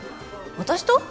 私と？